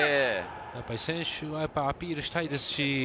選手はアピールしたいですし。